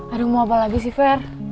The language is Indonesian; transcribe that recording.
aduh mau apa lagi sih fair